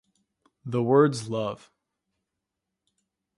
The words Love.